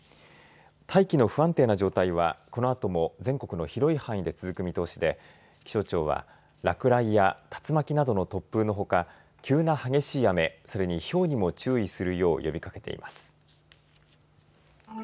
大気の不安定な状態はこのあとも全国の広い範囲で続く見通しで気象庁は落雷や竜巻などの突風のほか急な激しい雨、それにひょうにも注意するよう呼びかけています。